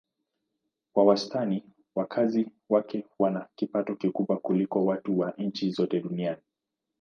Kwa wastani wakazi wake wana kipato kikubwa kuliko watu wa nchi zote duniani.